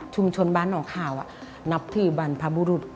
ชุมชนบ้านน้องข่าวนับถือบรรพบุรุษ